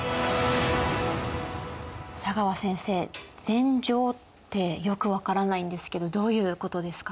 佐川先生禅譲ってよく分からないんですけどどういうことですか？